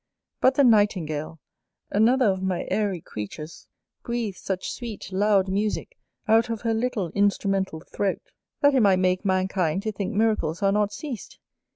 But the Nightingale, another of my airy creatures, breathes such sweet loud musick out of her little instrumental throat, that it might make mankind to think miracles are not ceased.